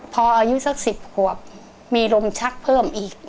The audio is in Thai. พออายุสัก๑๐ขวบมีลมชักเพิ่มอีก